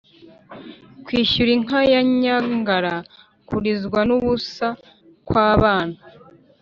" kwishyura inka ya nyangara = kurizwa n'ubusa kw'abana